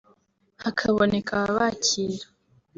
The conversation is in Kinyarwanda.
hakaboneka ababakira